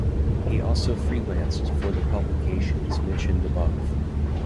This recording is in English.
He also freelanced for the publications mentioned above.